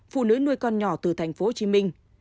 phụ nữ nuôi con nhỏ từ thành phố hồ chí minh